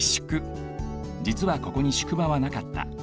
じつはここに宿場はなかった。